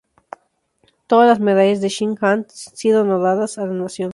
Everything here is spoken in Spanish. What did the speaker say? Todas las medallas de Singh han sido donadas a la nación.